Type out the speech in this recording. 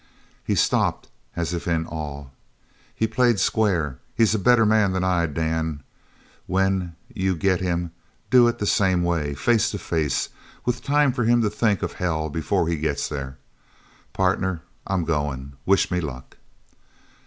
He stopped as if in awe. "He played square he's a better man than I. Dan, when you get him, do it the same way face to face with time for him to think of hell before he gets there. Partner, I'm going. Wish me luck."